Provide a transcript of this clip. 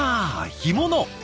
干物。